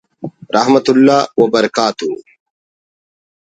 رحمتہ اللہ وبرکاتہ